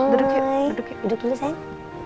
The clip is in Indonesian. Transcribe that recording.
duduk dulu sayang